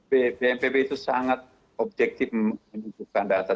bppb itu sangat objektif menunjukkan data